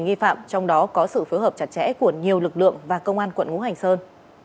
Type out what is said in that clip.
nghi phạm trong đó có sự phối hợp chặt chẽ của nhiều lực lượng và công an quận ngũ hành sơn